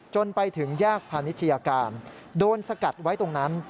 จนไปถึงแยกพาณิชยาการโดนสกัดไว้ตรงนั้น